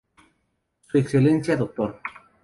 Su Excelencia Dr.